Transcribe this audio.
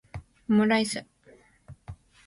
オムライス